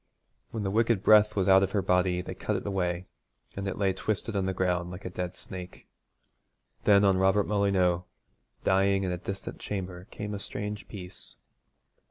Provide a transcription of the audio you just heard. When the wicked breath was out of her body they cut it away, and it lay twisted on the ground like a dead snake. Then on Robert Molyneux, dying in a distant chamber, came a strange peace.